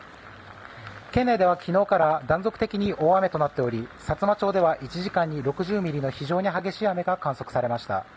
県内では昨日から断続的に大雨となっておりさつま町は１時間に６０ミリの非常に激しい雨が観測されました。